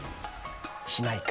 しないか。